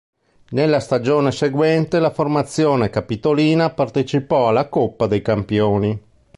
Nella stagione seguente la formazione capitolina partecipò alla Coppa dei Campioni.